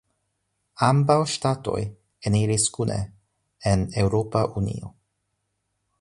Ambaŭ ŝtatoj eniris kune en Eŭropa Unio.